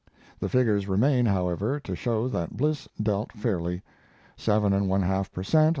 The figures remain, however, to show that Bliss dealt fairly. Seven and one half per cent.